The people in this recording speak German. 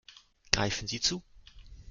Greifen Sie zu!